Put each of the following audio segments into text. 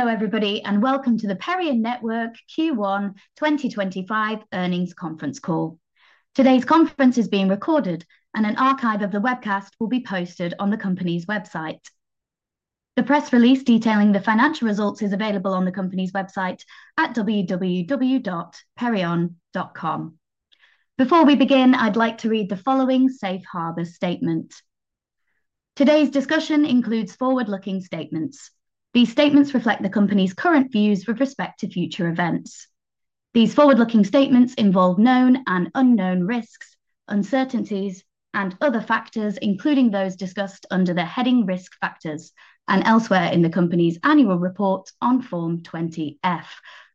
Hello, everybody, and welcome to the Perion Network Q1 2025 earnings conference call. Today's conference is being recorded, and an archive of the webcast will be posted on the company's website. The press release detailing the financial results is available on the company's website at www.perion.com. Before we begin, I'd like to read the following Safe Harbor Statement. Today's discussion includes forward-looking statements. These statements reflect the company's current views with respect to future events. These forward-looking statements involve known and unknown risks, uncertainties, and other factors, including those discussed under the heading risk factors and elsewhere in the company's annual report on Form 20F,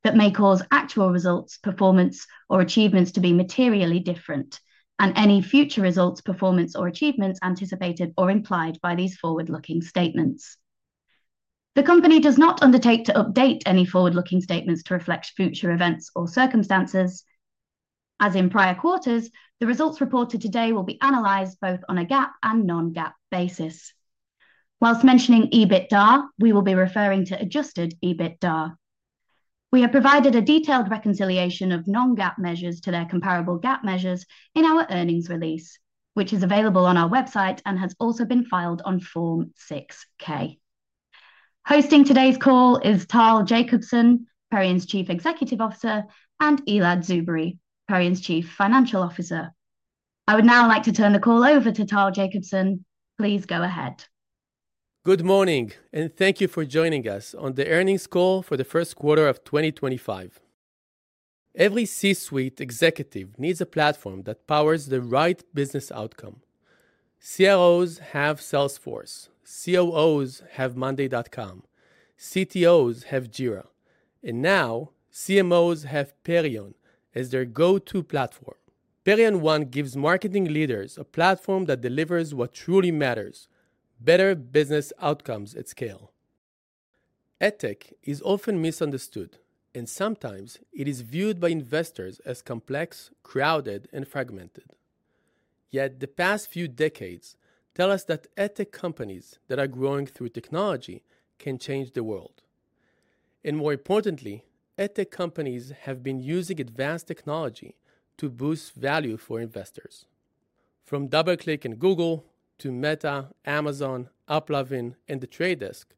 that may cause actual results, performance, or achievements to be materially different, and any future results, performance, or achievements anticipated or implied by these forward-looking statements. The company does not undertake to update any forward-looking statements to reflect future events or circumstances. As in prior quarters, the results reported today will be analyzed both on a GAAP and non-GAAP basis. Whilst mentioning EBITDA, we will be referring to adjusted EBITDA. We have provided a detailed reconciliation of non-GAAP measures to their comparable GAAP measures in our earnings release, which is available on our website and has also been filed on Form 6K. Hosting today's call is Tal Jacobson, Perion's Chief Executive Officer, and Elad Tzubery, Perion's Chief Financial Officer. I would now like to turn the call over to Tal Jacobson. Please go ahead. Good morning, and thank you for joining us on the earnings call for the first quarter of 2025. Every C-suite executive needs a platform that powers the right business outcome. CROs have Salesforce, COOs have monday.com, CTOs have Jira, and now CMOs have Perion as their go-to platform. Perion One gives marketing leaders a platform that delivers what truly matters: better business outcomes at scale. AdTech is often misunderstood, and sometimes it is viewed by investors as complex, crowded, and fragmented. Yet the past few decades tell us that AdTech companies that are growing through technology can change the world. More importantly, AdTech companies have been using advanced technology to boost value for investors. From DoubleClick and Google to Meta, Amazon, AppLovin, and The Trade Desk,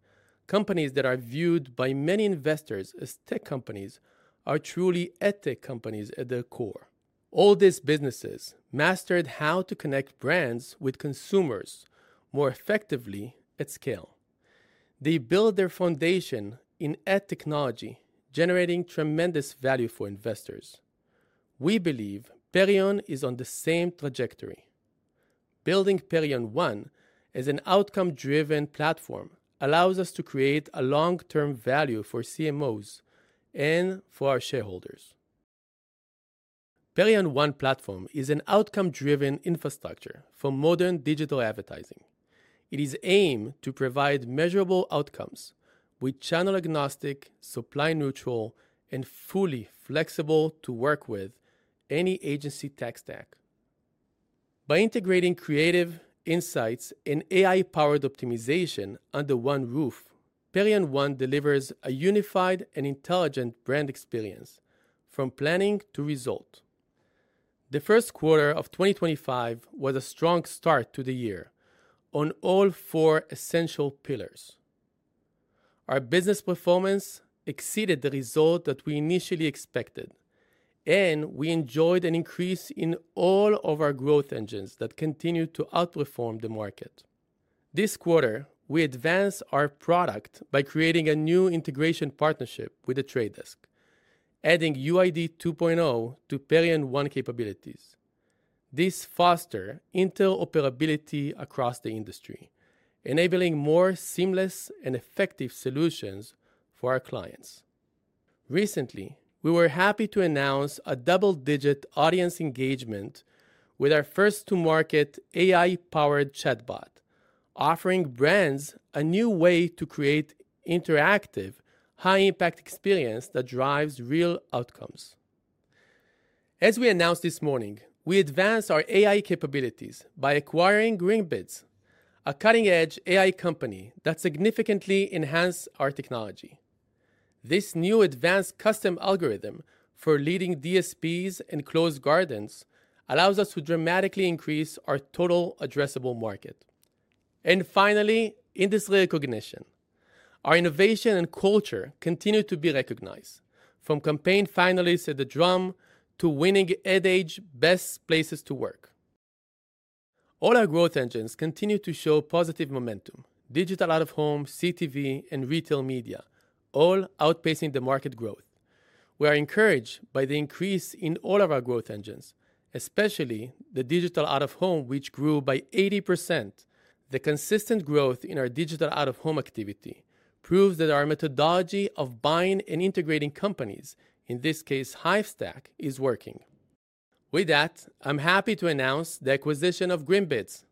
companies that are viewed by many investors as tech companies are truly AdTech companies at their core. All these businesses mastered how to connect brands with consumers more effectively at scale. They built their foundation in AdTech technology, generating tremendous value for investors. We believe Perion is on the same trajectory. Building Perion One as an outcome-driven platform allows us to create a long-term value for CMOs and for our shareholders. Perion One platform is an outcome-driven infrastructure for modern digital advertising. It is aimed to provide measurable outcomes with channel agnostic, supply neutral, and fully flexible to work with any agency tech stack. By integrating creative insights and AI-powered optimization under one roof, Perion One delivers a unified and intelligent brand experience from planning to result. The first quarter of 2025 was a strong start to the year on all four essential pillars. Our business performance exceeded the result that we initially expected, and we enjoyed an increase in all of our growth engines that continue to outperform the market. This quarter, we advanced our product by creating a new integration partnership with The Trade Desk, adding UID 2.0 to Perion One capabilities. This fostered interoperability across the industry, enabling more seamless and effective solutions for our clients. Recently, we were happy to announce a double-digit audience engagement with our first-to-market AI-powered chatbot, offering brands a new way to create interactive, high-impact experiences that drive real outcomes. As we announced this morning, we advanced our AI capabilities by acquiring Greenbids, a cutting-edge AI company that significantly enhanced our technology. This new advanced custom algorithm for leading DSPs and closed gardens allows us to dramatically increase our total addressable market. Finally, industry recognition. Our innovation and culture continue to be recognized, from campaign finalists at The Drum to winning Ad Age Best Places to Work. All our growth engines continue to show positive momentum: digital out of home, CTV, and retail media, all outpacing the market growth. We are encouraged by the increase in all of our growth engines, especially the digital out of home, which grew by 80%. The consistent growth in our digital out of home activity proves that our methodology of buying and integrating companies, in this case, Hivestack, is working. With that, I'm happy to announce the acquisition of Greenbids.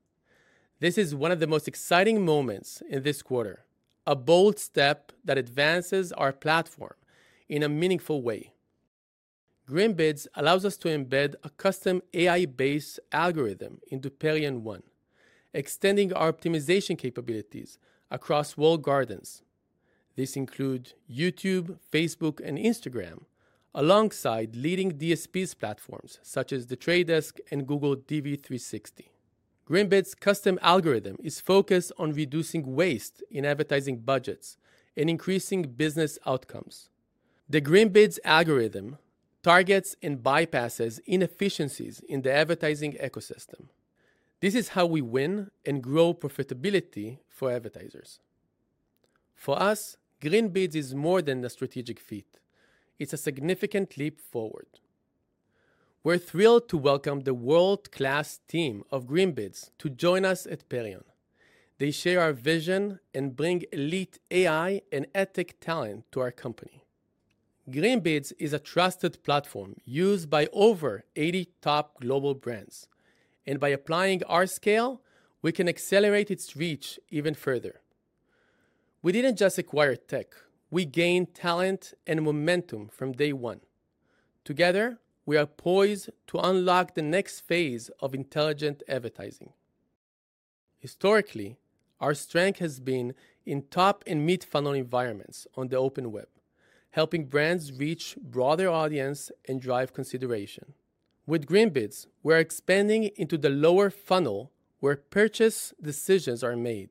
This is one of the most exciting moments in this quarter, a bold step that advances our platform in a meaningful way. Greenbids allows us to embed a custom AI-based algorithm into Perion One, extending our optimization capabilities across all guardians. This includes YouTube, Facebook, and Instagram, alongside leading DSP platforms such as The Trade Desk and Google DV360. Greenbids' custom algorithm is focused on reducing waste in advertising budgets and increasing business outcomes. The Greenbids algorithm targets and bypasses inefficiencies in the advertising ecosystem. This is how we win and grow profitability for advertisers. For us, Greenbids is more than a strategic feat. It is a significant leap forward. We're thrilled to welcome the world-class team of Greenbids to join us at Perion. They share our vision and bring elite AI and AdTech talent to our company. Greenbids is a trusted platform used by over 80 top global brands, and by applying our scale, we can accelerate its reach even further. We did not just acquire tech; we gained talent and momentum from day one. Together, we are poised to unlock the next phase of intelligent advertising. Historically, our strength has been in top and mid-funnel environments on the open web, helping brands reach broader audiences and drive consideration. With Greenbids, we're expanding into the lower funnel where purchase decisions are made,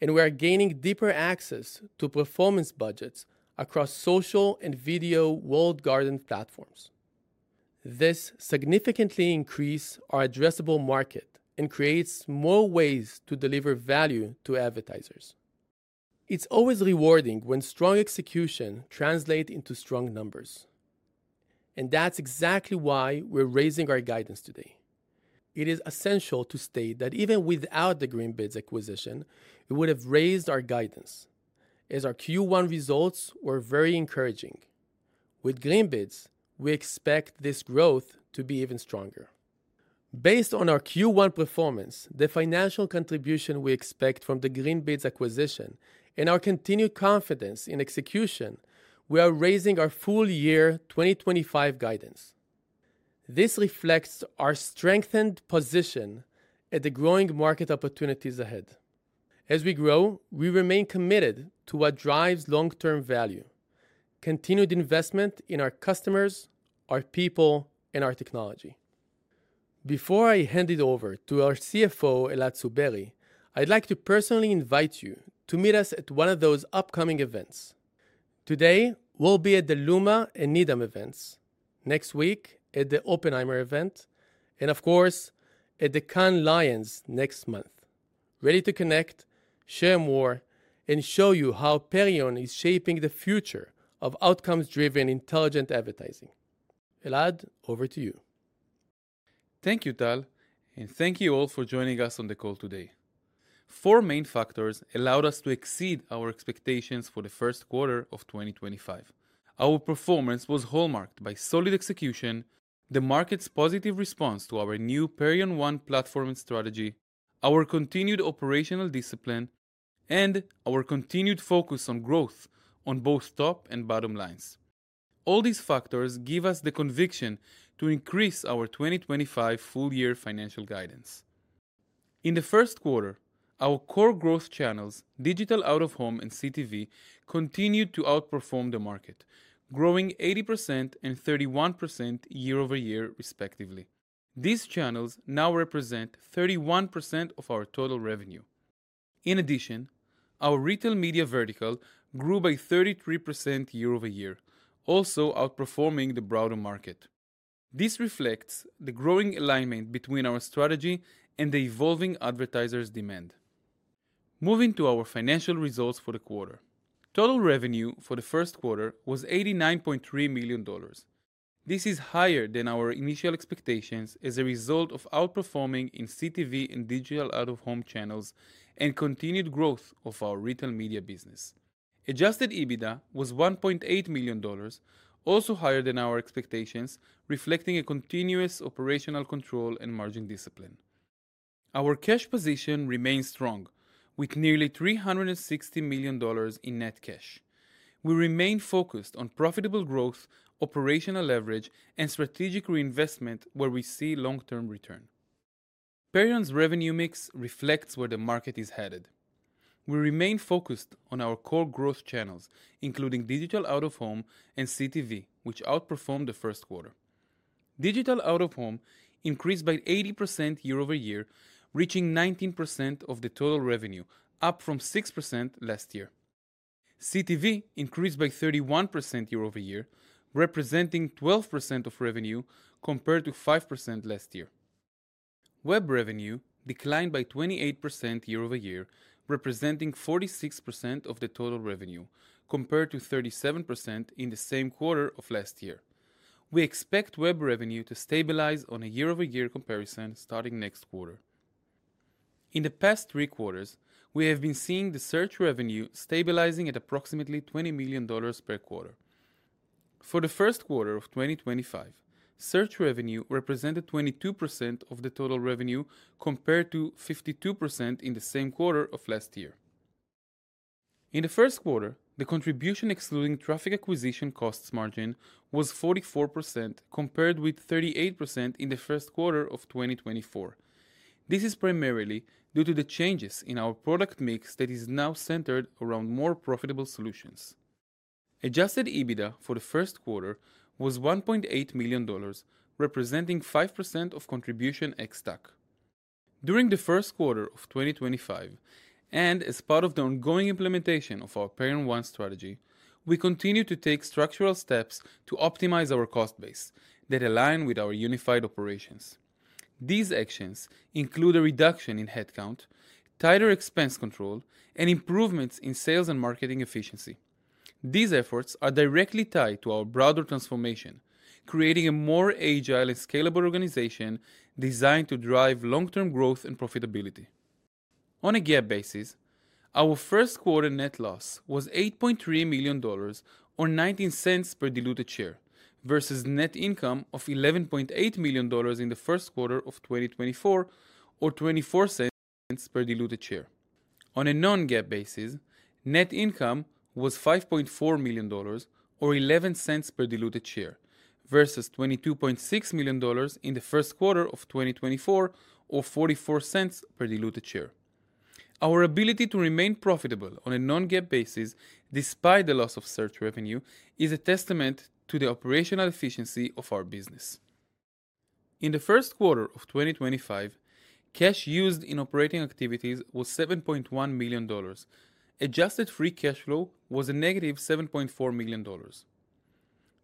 and we're gaining deeper access to performance budgets across social and video walled garden platforms. This significantly increases our addressable market and creates more ways to deliver value to advertisers. It is always rewarding when strong execution translates into strong numbers. That is exactly why we're raising our guidance today. It is essential to state that even without the Greenbids acquisition, we would have raised our guidance, as our Q1 results were very encouraging. With Greenbids, we expect this growth to be even stronger. Based on our Q1 performance, the financial contribution we expect from the Greenbids acquisition, and our continued confidence in execution, we are raising our full-year 2025 guidance. This reflects our strengthened position at the growing market opportunities ahead. As we grow, we remain committed to what drives long-term value: continued investment in our customers, our people, and our technology. Before I hand it over to our CFO, Elad Tzubery, I'd like to personally invite you to meet us at one of those upcoming events. Today, we'll be at the Luma and Needham events, next week at the Oppenheimer event, and of course, at the Cannes Lions next month. Ready to connect, share more, and show you how Perion is shaping the future of outcomes-driven intelligent advertising. Elad, over to you. Thank you, Tal, and thank you all for joining us on the call today. Four main factors allowed us to exceed our expectations for the first quarter of 2025. Our performance was hallmarked by solid execution, the market's positive response to our new Perion One platform and strategy, our continued operational discipline, and our continued focus on growth on both top and bottom lines. All these factors give us the conviction to increase our 2025 full-year financial guidance. In the first quarter, our core growth channels, digital out of home and CTV, continued to outperform the market, growing 80% and 31% year-over-year, respectively. These channels now represent 31% of our total revenue. In addition, our retail media vertical grew by 33% year-over-year, also outperforming the broader market. This reflects the growing alignment between our strategy and the evolving advertisers' demand. Moving to our financial results for the quarter, total revenue for the first quarter was $89.3 million. This is higher than our initial expectations as a result of outperforming in CTV and digital out of home channels and continued growth of our retail media business. Adjusted EBITDA was $1.8 million, also higher than our expectations, reflecting a continuous operational control and margin discipline. Our cash position remains strong, with nearly $360 million in net cash. We remain focused on profitable growth, operational leverage, and strategic reinvestment where we see long-term return. Perion's revenue mix reflects where the market is headed. We remain focused on our core growth channels, including digital out-of-home and CTV, which outperformed the first quarter. Digital out-of-home increased by 80% year-over-year, reaching 19% of the total revenue, up from 6% last year. CTV increased by 31% year-over-year, representing 12% of revenue compared to 5% last year. Web revenue declined by 28% year-over-year, representing 46% of the total revenue, compared to 37% in the same quarter of last year. We expect web revenue to stabilize on a year-over-year comparison starting next quarter. In the past three quarters, we have been seeing the search revenue stabilizing at approximately $20 million per quarter. For the first quarter of 2025, search revenue represented 22% of the total revenue compared to 52% in the same quarter of last year. In the first quarter, the contribution excluding traffic acquisition costs margin was 44% compared with 38% in the first quarter of 2024. This is primarily due to the changes in our product mix that is now centered around more profitable solutions. Adjusted EBITDA for the first quarter was $1.8 million, representing 5% of contribution XStack. During the first quarter of 2025, and as part of the ongoing implementation of our Perion One strategy, we continue to take structural steps to optimize our cost base that align with our unified operations. These actions include a reduction in headcount, tighter expense control, and improvements in sales and marketing efficiency. These efforts are directly tied to our broader transformation, creating a more agile and scalable organization designed to drive long-term growth and profitability. On a GAAP basis, our first quarter net loss was $8.3 million or $0.19 per diluted share versus net income of $11.8 million in the first quarter of 2024 or $0.24 per diluted share. On a non-GAAP basis, net income was $5.4 million or $0.11 per diluted share versus $22.6 million in the first quarter of 2024 or $0.44 per diluted share. Our ability to remain profitable on a non-GAAP basis despite the loss of search revenue is a testament to the operational efficiency of our business. In the first quarter of 2025, cash used in operating activities was $7.1 million. Adjusted free cash flow was a negative $7.4 million.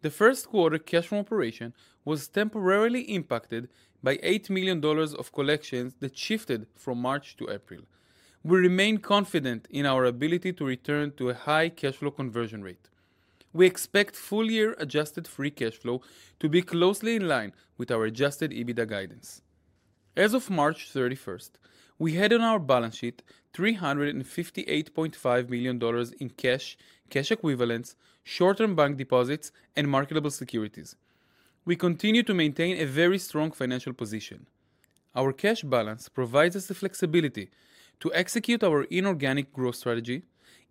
The first quarter cash from operation was temporarily impacted by $8 million of collections that shifted from March to April. We remain confident in our ability to return to a high cash flow conversion rate. We expect full-year adjusted free cash flow to be closely in line with our adjusted EBITDA guidance. As of March 31, we had on our balance sheet $358.5 million in cash, cash equivalents, short-term bank deposits, and marketable securities. We continue to maintain a very strong financial position. Our cash balance provides us the flexibility to execute our inorganic growth strategy,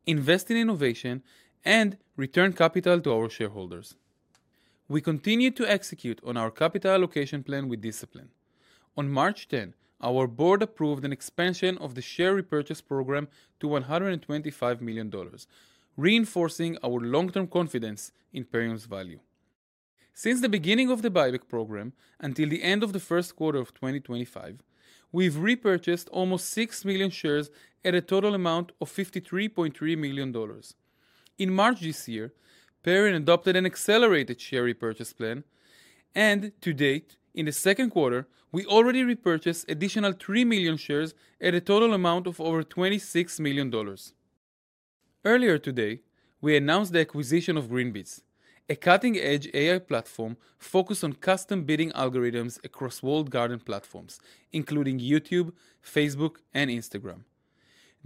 invest in innovation, and return capital to our shareholders. We continue to execute on our capital allocation plan with discipline. On March 10, our board approved an expansion of the share repurchase program to $125 million, reinforcing our long-term confidence in Perion's value. Since the beginning of the buyback program until the end of the first quarter of 2025, we've repurchased almost 6 million shares at a total amount of $53.3 million. In March this year, Perion adopted an accelerated share repurchase plan, and to date, in the second quarter, we already repurchased additional 3 million shares at a total amount of over $26 million. Earlier today, we announced the acquisition of Greenbids, a cutting-edge AI platform focused on custom bidding algorithms across walled garden platforms, including YouTube, Facebook, and Instagram.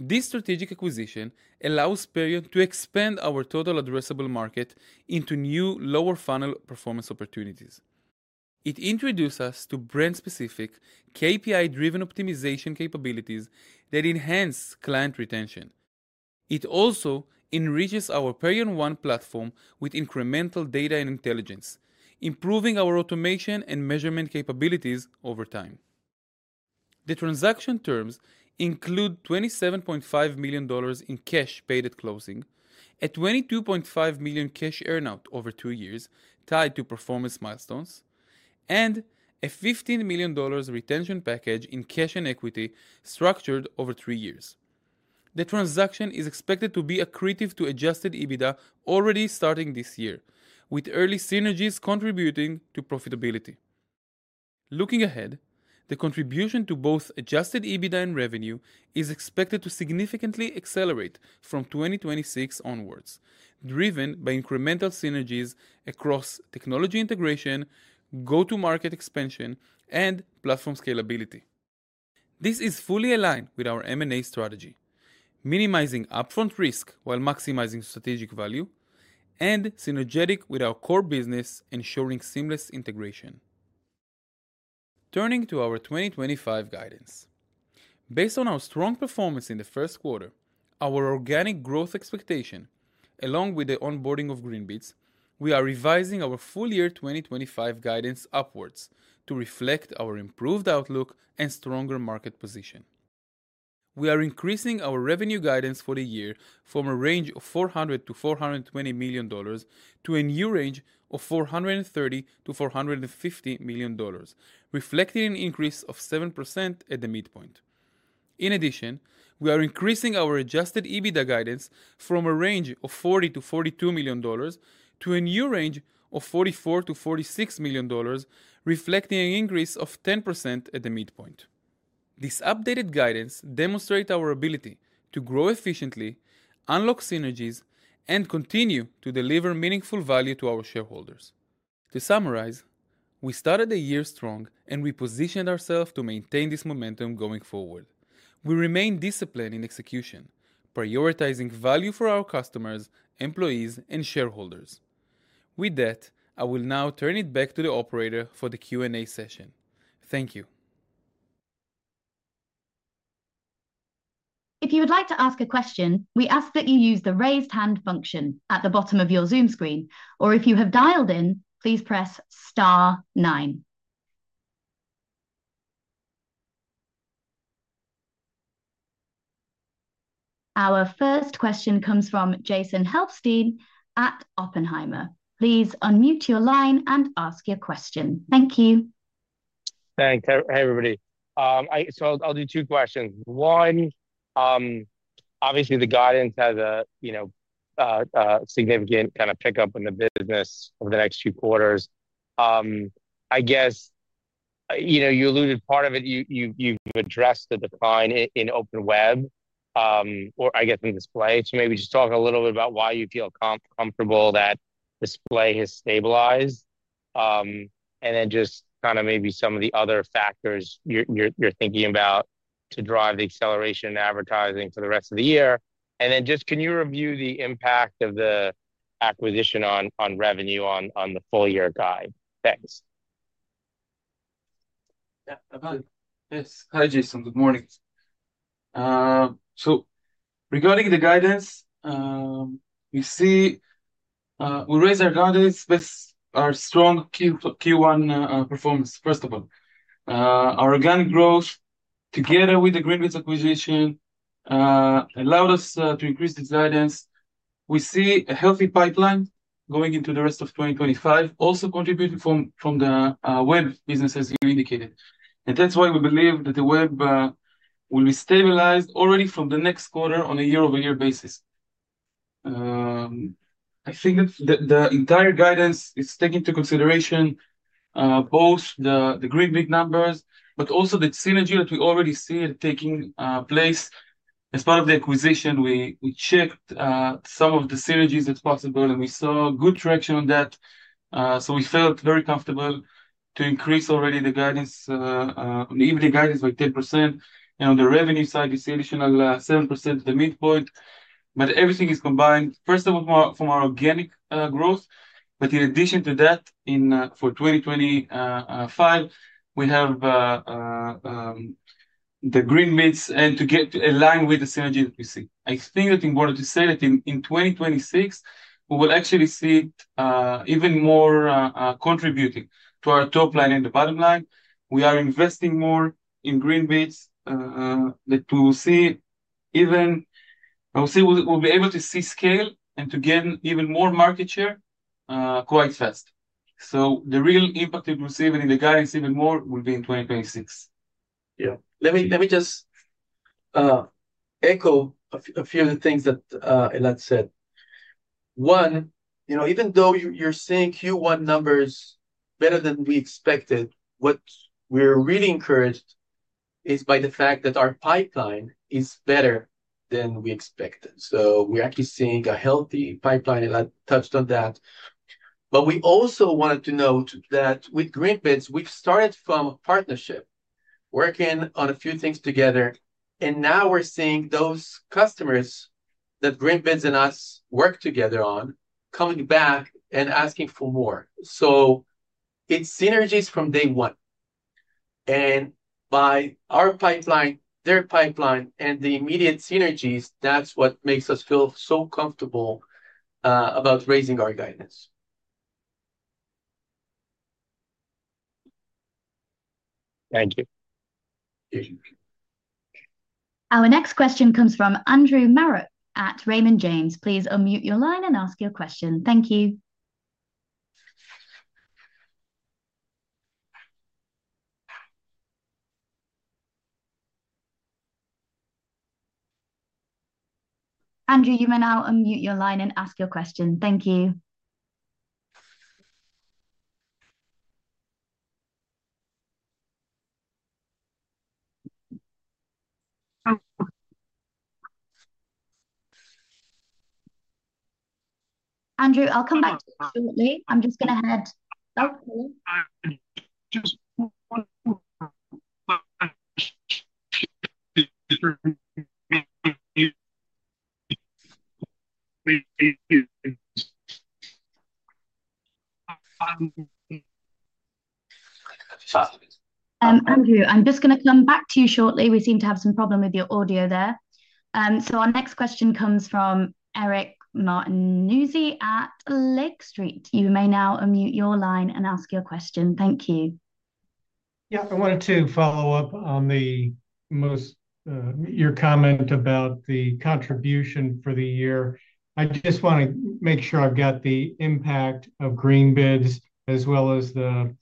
This strategic acquisition allows Perion to expand our total addressable market into new lower-funnel performance opportunities. It introduced us to brand-specific KPI-driven optimization capabilities that enhance client retention. It also enriches our Perion One platform with incremental data and intelligence, improving our automation and measurement capabilities over time. The transaction terms include $27.5 million in cash paid at closing, a $22.5 million cash earnout over two years tied to performance milestones, and a $15 million retention package in cash and equity structured over three years. The transaction is expected to be accretive to adjusted EBITDA already starting this year, with early synergies contributing to profitability. Looking ahead, the contribution to both adjusted EBITDA and revenue is expected to significantly accelerate from 2026 onwards, driven by incremental synergies across technology integration, go-to-market expansion, and platform scalability. This is fully aligned with our M&A strategy, minimizing upfront risk while maximizing strategic value, and synergetic with our core business, ensuring seamless integration. Turning to our 2025 guidance, based on our strong performance in the first quarter, our organic growth expectation, along with the onboarding of Greenbids, we are revising our full-year 2025 guidance upwards to reflect our improved outlook and stronger market position. We are increasing our revenue guidance for the year from a range of $400 million-$420 million to a new range of $430 million-$450 million, reflecting an increase of 7% at the midpoint. In addition, we are increasing our adjusted EBITDA guidance from a range of $40 million-$42 million to a new range of $44 million-$46 million, reflecting an increase of 10% at the midpoint. This updated guidance demonstrates our ability to grow efficiently, unlock synergies, and continue to deliver meaningful value to our shareholders. To summarize, we started the year strong and repositioned ourselves to maintain this momentum going forward. We remain disciplined in execution, prioritizing value for our customers, employees, and shareholders. With that, I will now turn it back to the operator for the Q&A session. Thank you. If you would like to ask a question, we ask that you use the raised hand function at the bottom of your Zoom screen, or if you have dialed in, please press star nine. Our first question comes from Jason Helfstein at Oppenheimer. Please unmute your line and ask your question. Thank you. Thanks. Hey, everybody. I'll do two questions. One, obviously, the guidance has a, you know, significant kind of pickup in the business over the next few quarters. I guess, you know, you alluded part of it, you've addressed the decline in open web, or I guess in display. Maybe just talk a little bit about why you feel comfortable that display has stabilized, and then just kind of maybe some of the other factors you're thinking about to drive the acceleration in advertising for the rest of the year. Can you review the impact of the acquisition on revenue on the full-year guide? Thanks. Yes. Hi, Jason. Good morning. Regarding the guidance, we see we raised our guidance with our strong Q1 performance, first of all. Our organic growth, together with the Greenbids acquisition, allowed us to increase this guidance. We see a healthy pipeline going into the rest of 2025, also contributing from the web business, as you indicated. That is why we believe that the web will be stabilized already from the next quarter on a year-over-year basis. I think that the entire guidance is taking into consideration both the Greenbids numbers, but also the synergy that we already see taking place as part of the acquisition. We checked some of the synergies that are possible, and we saw good traction on that. We felt very comfortable to increase already the guidance, even the guidance by 10%. On the revenue side, we see additional 7% at the midpoint. Everything is combined, first of all, from our organic growth. In addition to that, for 2025, we have the Greenbids and to get to align with the synergy that we see. I think it's important to say that in 2026, we will actually see it even more contributing to our top line and the bottom line. We are investing more in Greenbids that we will see even we'll be able to see scale and to gain even more market share quite fast. The real impact we'll see even in the guidance even more will be in 2026. Yeah. Let me just echo a few of the things that Elad said. One, you know, even though you're seeing Q1 numbers better than we expected, what we're really encouraged is by the fact that our pipeline is better than we expected. We're actually seeing a healthy pipeline, Elad touched on that. We also wanted to note that with Greenbids, we've started from a partnership, working on a few things together. Now we're seeing those customers that Greenbids and us work together on coming back and asking for more. It's synergies from day one. By our pipeline, their pipeline, and the immediate synergies, that's what makes us feel so comfortable about raising our guidance. Thank you. Our next question comes from Andrew Marok at Raymond James. Please unmute your line and ask your question. Thank you. Andrew, you may now unmute your line and ask your question. Thank you. I'll come back to you shortly. I'm just going to head out. I'm just going to come back to you shortly. We seem to have some problem with your audio there. Our next question comes from Eric Martinuzzi at Lake Street. You may now unmute your line and ask your question. Thank you. Yeah, I wanted to follow up on your comment about the contribution for the year. I just want to make sure I've got the impact of Greenbids as well as the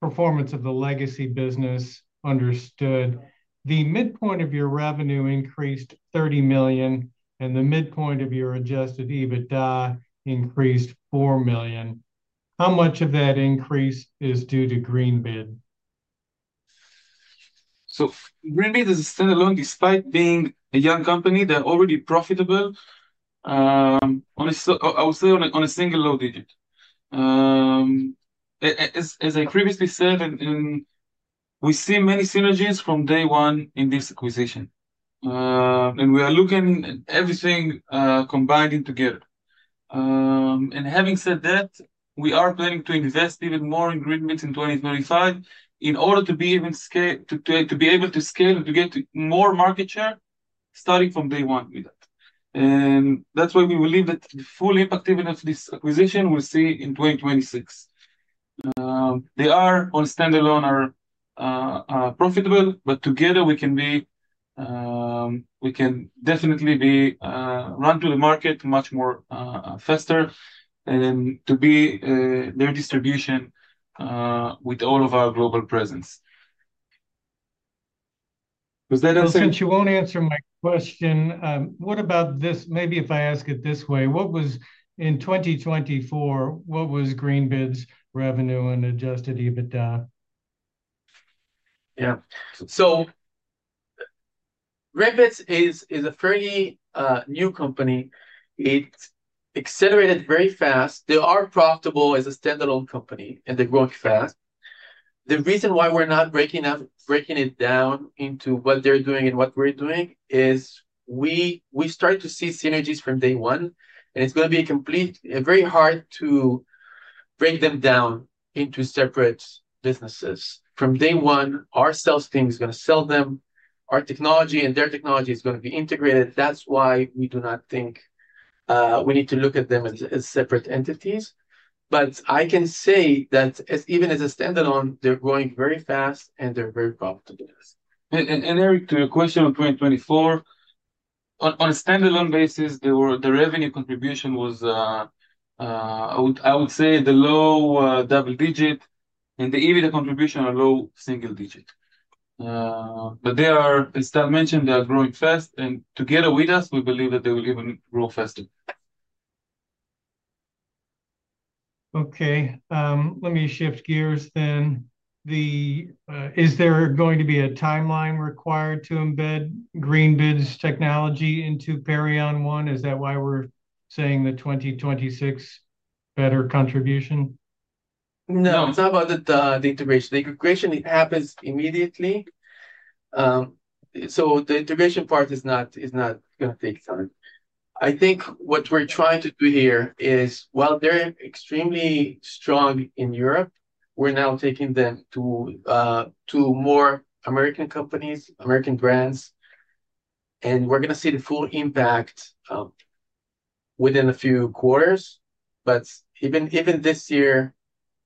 performance of the legacy business understood. The midpoint of your revenue increased $30 million, and the midpoint of your adjusted EBITDA increased $4 million. How much of that increase is due to Greenbids? Greenbids is a standalone, despite being a young company, they're already profitable. I would say on a single low digit. As I previously said, we see many synergies from day one in this acquisition. We are looking at everything combined in together. Having said that, we are planning to invest even more in Greenbids in 2025 in order to be able to scale and to get more market share starting from day one with that. That's why we believe that the full impact even of this acquisition we'll see in 2026. They are on standalone, are profitable, but together we can definitely run to the market much more faster and to be their distribution with all of our global presence. Was that answer? Since you won't answer my question, what about this? Maybe if I ask it this way, what was in 2024, what was Greenbids' revenue and adjusted EBITDA? Yeah. Greenbids is a fairly new company. It accelerated very fast. They are profitable as a standalone company, and they're growing fast. The reason why we're not breaking it down into what they're doing and what we're doing is we started to see synergies from day one, and it's going to be very hard to break them down into separate businesses. From day one, our sales team is going to sell them. Our technology and their technology is going to be integrated. That's why we do not think we need to look at them as separate entities. I can say that even as a standalone, they're growing very fast, and they're very profitable. Eric, to your question on 2024, on a standalone basis, the revenue contribution was, I would say, the low double digit, and the EBITDA contribution are low single digit. As Tal mentioned, they are growing fast, and together with us, we believe that they will even grow faster. Okay. Let me shift gears then. Is there going to be a timeline required to embed Greenbids technology into Perion One? Is that why we're saying the 2026 better contribution? No, it's not about the integration. The integration happens immediately. The integration part is not going to take time. I think what we're trying to do here is, while they're extremely strong in Europe, we're now taking them to more American companies, American brands, and we're going to see the full impact within a few quarters. Even this year,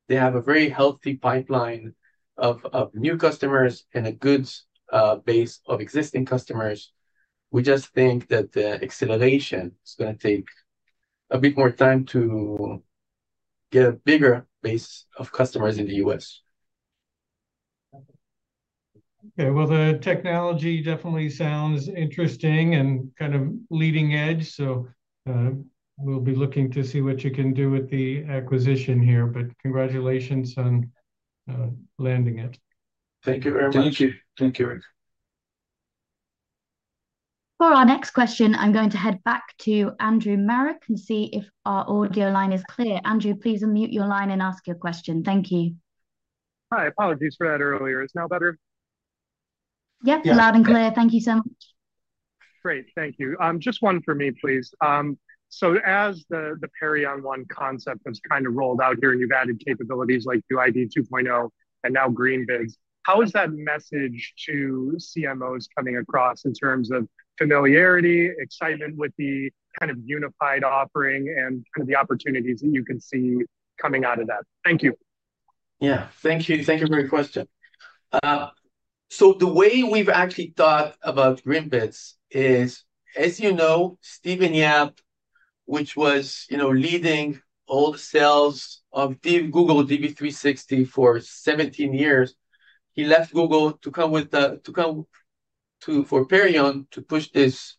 they have a very healthy pipeline of new customers and a good base of existing customers. We just think that the acceleration is going to take a bit more time to get a bigger base of customers in the U.S. Okay. The technology definitely sounds interesting and kind of leading edge. We'll be looking to see what you can do with the acquisition here, but congratulations on landing it. Thank you very much. Thank you. Thank you, Eric. For our next question, I'm going to head back to Andrew Marok and see if our audio line is clear. Andrew, please unmute your line and ask your question. Thank you. Hi. Apologies for that earlier. Is now better? Yep, loud and clear. Thank you so much. Great. Thank you. Just one for me, please. As the Perion One concept has kind of rolled out here and you've added capabilities like UID 2.0 and now Greenbids, how is that message to CMOs coming across in terms of familiarity, excitement with the kind of unified offering and the opportunities that you can see coming out of that? Thank you. Yeah. Thank you. Thank you for your question. The way we've actually thought about Greenbids is, as you know, Stephen Yap, who was leading all the sales of Google DV360 for 17 years, he left Google to come to Perion to push this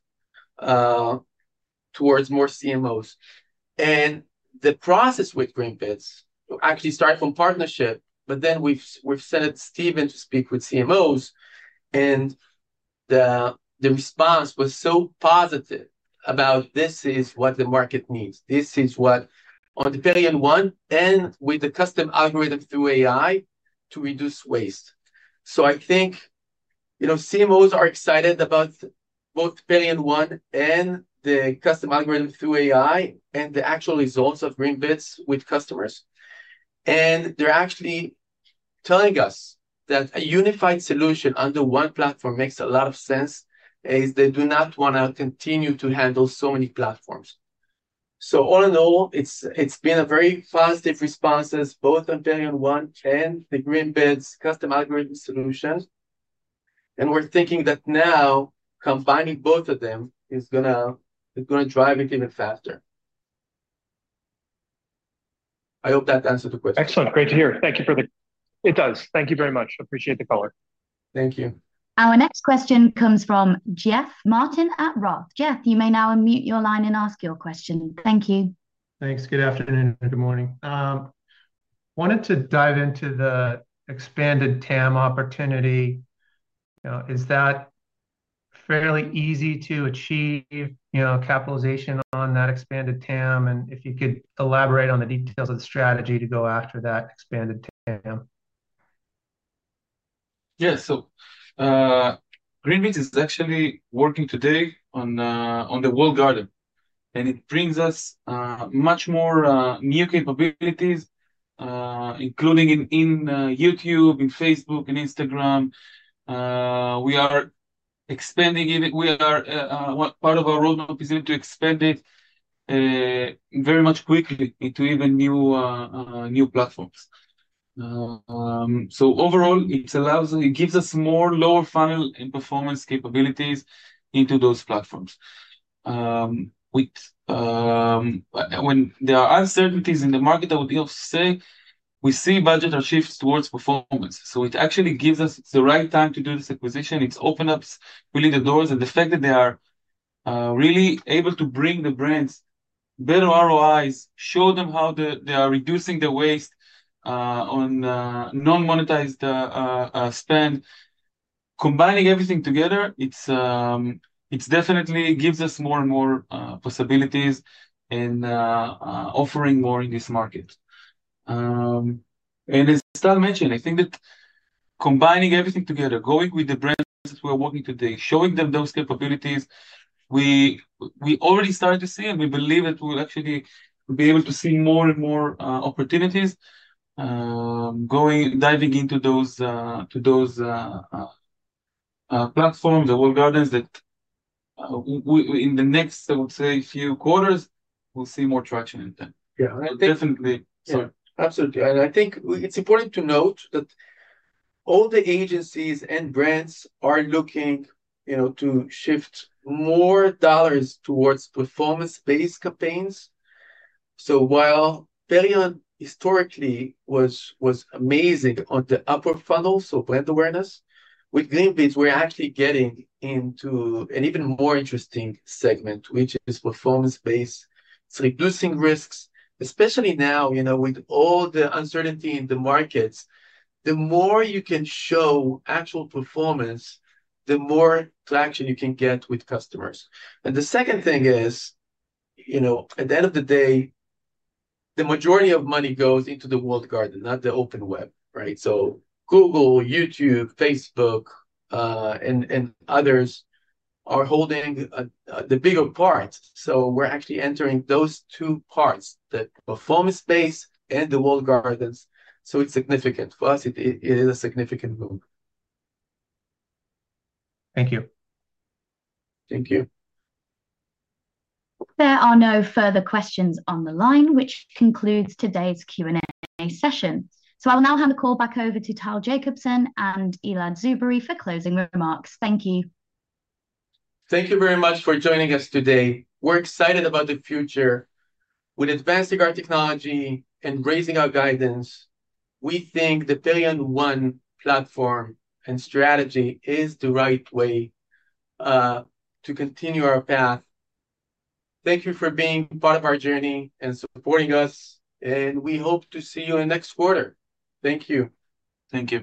towards more CMOs. The process with Greenbids actually started from partnership, but then we sent Stephen to speak with CMOs, and the response was so positive about this is what the market needs. This is what. On the Perion One and with the custom algorithm through AI to reduce waste. I think CMOs are excited about both Perion One and the custom algorithm through AI and the actual results of Greenbids with customers. They are actually telling us that a unified solution under one platform makes a lot of sense as they do not want to continue to handle so many platforms. All in all, it's been a very positive response, both on Perion One and the Greenbids custom algorithm solution. We're thinking that now combining both of them is going to drive it even faster. I hope that answered the question. Excellent. Great to hear. Thank you for that. It does. Thank you very much. Appreciate the color. Thank you. Our next question comes from Jeff Martin at Roth. Jeff, you may now unmute your line and ask your question. Thank you. Thanks. Good afternoon and good morning. Wanted to dive into the expanded TAM opportunity. Is that fairly easy to achieve capitalization on that expanded TAM? If you could elaborate on the details of the strategy to go after that expanded TAM. Yeah. Greenbids is actually working today on the walled garden, and it brings us much more new capabilities, including in YouTube, in Facebook, in Instagram. We are expanding it. Part of our roadmap is to expand it very much quickly into even new platforms. Overall, it gives us more lower-funnel and performance capabilities into those platforms. When there are uncertainties in the market, I would also say we see budget shifts towards performance. It actually gives us the right time to do this acquisition. It has opened up really the doors. The fact that they are really able to bring the brands better ROIs, show them how they are reducing the waste on non-monetized spend, combining everything together, it definitely gives us more and more possibilities and offering more in this market. As Tal mentioned, I think that combining everything together, going with the brands that we are working with today, showing them those capabilities, we already started to see and we believe that we will actually be able to see more and more opportunities diving into those platforms, the walled gardens, that in the next, I would say, few quarters, we will see more traction in them. Yeah, definitely. Sorry. Absolutely. I think it is important to note that all the agencies and brands are looking to shift more dollars towards performance-based campaigns. While Perion historically was amazing on the upper funnel, so brand awareness, with Greenbids, we are actually getting into an even more interesting segment, which is performance-based. It is reducing risks, especially now with all the uncertainty in the markets. The more you can show actual performance, the more traction you can get with customers. The second thing is, at the end of the day, the majority of money goes into the walled garden, not the open web, right? Google, YouTube, Facebook, and others are holding the bigger part. We are actually entering those two parts, the performance space and the walled gardens. It is significant. For us, it is a significant move. Thank you. Thank you. There are no further questions on the line, which concludes today's Q&A session. I'll now hand the call back over to Tal Jacobson and Elad Tzubery for closing remarks. Thank you. Thank you very much for joining us today. We're excited about the future. With advancing our technology and raising our guidance, we think the Perion One platform and strategy is the right way to continue our path. Thank you for being part of our journey and supporting us, and we hope to see you in the next quarter. Thank you. Thank you.